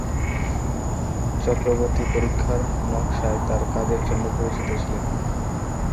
চক্রবর্তী পরীক্ষার নকশায় তার কাজের জন্য পরিচিত ছিলেন।